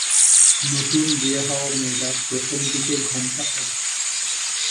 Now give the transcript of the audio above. নতুন বিয়ে হওয়া মেয়েরা প্রথম দিকে ঘোমটা পরে।